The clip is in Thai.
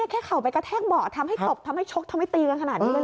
เข่าไปกระแทกเบาะทำให้ตบทำให้ชกทำให้ตีกันขนาดนี้เลย